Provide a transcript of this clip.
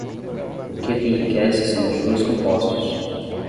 O que te enriquece são os juros compostos